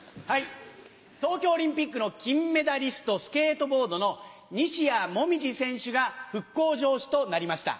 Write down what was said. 東京オリンピックの金メダリストスケートボードの西矢椛選手が復興城主となりました。